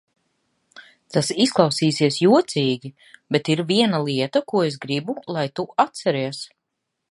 Tas izklausīsies jocīgi, bet ir viena lieta, ko es gribu, lai tu atceries.